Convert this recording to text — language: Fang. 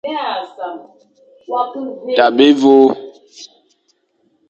Tabe évÔ.